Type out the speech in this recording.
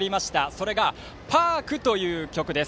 それが「パーク」という曲です。